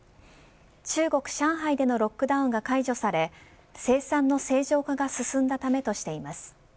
中国、上海でのロックダウンが解除され生産の正常化が進んだためとしています。